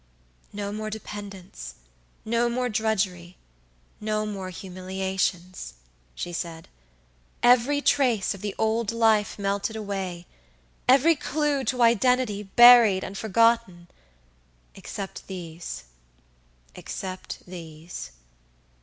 "No more dependence, no more drudgery, no more humiliations," she said; "every trace of the old life melted awayevery clew to identity buried and forgottenexcept these, except these."